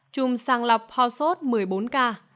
chùm sàng lọc hòa sốt một mươi bốn ca